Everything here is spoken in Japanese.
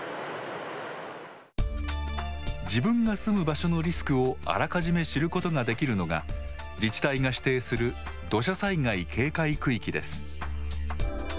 自分が住む場所のリスクをあらかじめ知ることができるのが自治体が指定する土砂災害警戒区域です。